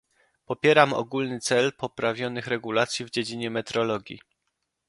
Popieram ogólny cel poprawionych regulacji w dziedzinie metrologii